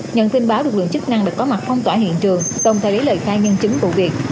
nhận tin báo được lượng chức năng đã có mặt phong tỏa hiện trường tổng thể lấy lời khai nhân chứng vụ việc